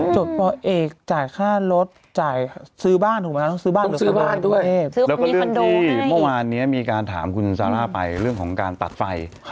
ปเอกจ่ายค่ารถจ่ายซื้อบ้านถูกไหมต้องซื้อบ้านหรือซื้อบ้านด้วยแล้วก็เรื่องที่เมื่อวานนี้มีการถามคุณซาร่าไปเรื่องของการตัดไฟ